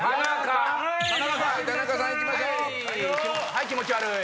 はい気持ち悪い！